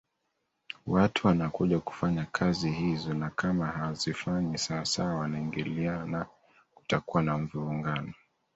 watu wanakuja kufanya kazi hizo na kama hawazifanyi sawa sawa wanaingiliana kutakuwa na mvurungano